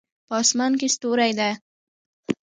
په اسمان کې ستوری ده